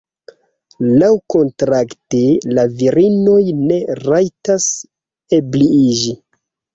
Laŭkontrakte la virinoj ne rajtas ebriiĝi.